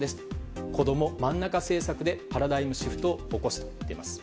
こどもまんなか政策でパラダイムシフトを起こすと言っています。